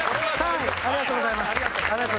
ありがとうございます。